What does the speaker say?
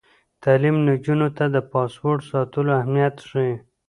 تعلیم نجونو ته د پاسورډ ساتلو اهمیت ښيي.